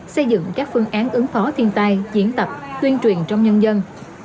xây dựng các phương án ứng phó thiên tai diễn tập tuyên truyền trong nhân dân